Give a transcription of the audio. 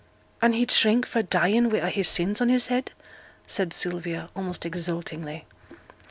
'And he'd shrink fra' dying wi' a' his sins on his head?' said Sylvia, almost exultingly.